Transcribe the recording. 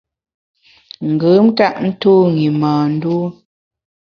Ngùn ntap ntu’w i mâ ndû.